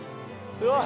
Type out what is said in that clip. うわっ！